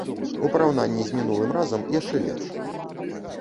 У параўнанні з мінулым разам, яшчэ лепш.